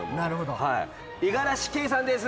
五十嵐圭さんです。